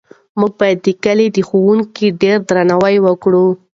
موږ باید د کلي د ښوونکي ډېر درناوی وکړو.